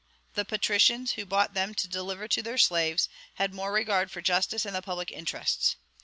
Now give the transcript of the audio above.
The patricians, who bought them to deliver to their slaves, had more regard for justice and the public interests.